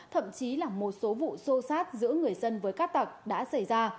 thậm chí là một số vụ xô xát giữa người dân với cát tặc đã xảy ra